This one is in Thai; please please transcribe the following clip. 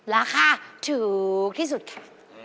ราคาถูกที่สุดค่ะ